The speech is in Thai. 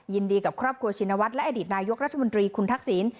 ยินดีกับครอบครัวชินวัฒน์และอดีตนายกรัฐมนตรีคุณทักษิณ